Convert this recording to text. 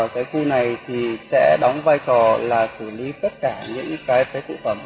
cái khu này thì sẽ đóng vai trò là xử lý tất cả những cái phế cụ phẩm